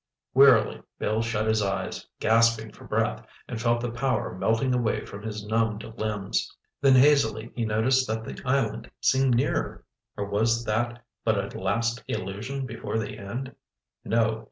Wearily, Bill shut his eyes, gasping for breath, and felt the power melting away from his numbed limbs. Then hazily he noticed that the island seemed nearer—or was that but a last illusion before the end? No!